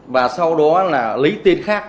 và sau đó là lấy tên khác